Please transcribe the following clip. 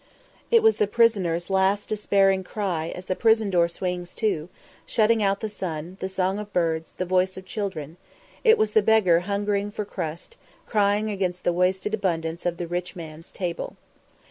It was the prisoner's last despairing cry as the prison door swings to, shutting out the sun, the song of birds, the voice of children; it was the beggar hungering for a crust, crying against the wasted abundance of the rich man's table.